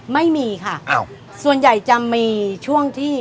ไม่มีค่ะส่วนใหญ่จะมีช่วงที่